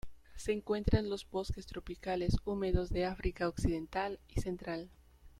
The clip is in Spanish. Se encuentra en los bosques tropicales húmedos de África occidental y central.